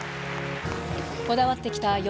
こだわってきた